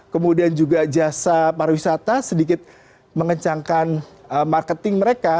kemudian juga jasa pariwisata sedikit mengencangkan marketing mereka